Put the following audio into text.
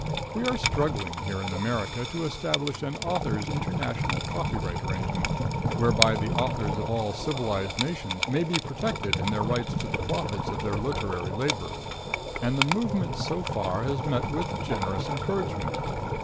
We are struggling here in America to establish an authors' international copyright arrangement, whereby the authors of all civilized nations may be protected in their rights to the profits of their literary labor, and the movement so far has met with generous encouragement.